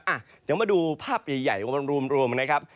อ่ะเดี๋ยวมาดูภาพใหญ่รวมนะครับ